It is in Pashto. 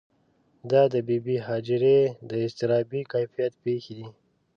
دا د بې بي هاجرې د اضطرابي کیفیت پېښې دي.